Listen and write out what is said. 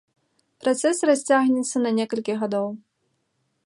Працэс расцягнецца на некалькі гадоў.